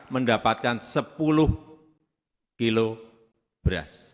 mendapatkan sepuluh kilo beras